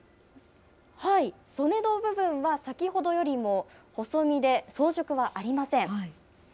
袖の部分は先ほどよりも細身で、装飾はありません。